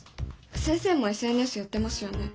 先生もＳＮＳやってますよね？